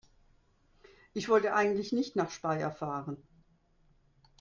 Ich wollte eigentlich nicht nach Speyer fahren